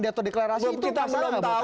dato deklarasi itu